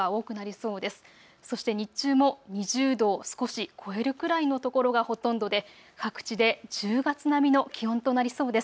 そして日中も２０度を少し超えるくらいの所がほとんどで各地で１０月並みの気温となりそうです。